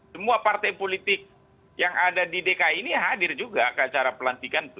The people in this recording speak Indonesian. semua partai politik yang ada di dki ini hadir juga ke acara pelantikan itu